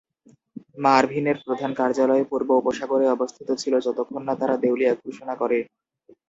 মার্ভিনের প্রধান কার্যালয় পূর্ব উপসাগরে অবস্থিত ছিল যতক্ষণ না তারা দেউলিয়া ঘোষণা করে।